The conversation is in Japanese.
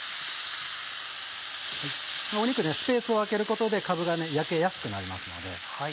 肉スペースを空けることでかぶが焼けやすくなりますので。